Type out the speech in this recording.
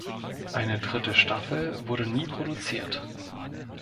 Eine dritte Staffel wurde nie produziert.